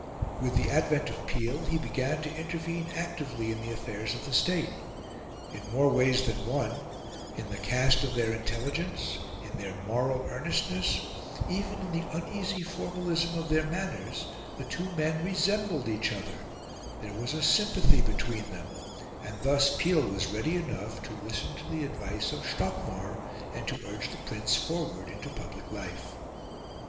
With the advent of Peel, he began to intervene actively in the affairs of the State. In more ways than one in the cast of their intelligence, in their moral earnestness, even in the uneasy formalism of their manners the two men resembled each other; there was a sympathy between them; and thus Peel was ready enough to listen to the advice of Stockmar, and to urge the Prince forward into public life.